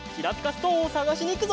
ストーンをさがしにいくぞ！